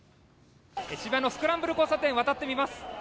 渋谷のスクランブル交差点渡ってみます。